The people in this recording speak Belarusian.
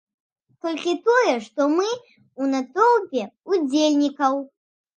Толькі тое, што мы у натоўпе ўдзельнікаў.